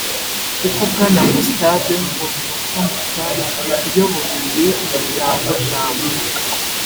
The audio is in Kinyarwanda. kuko Bwana Gustave Mbonyumutwa Mutware uyoboyoye umuryango Jambo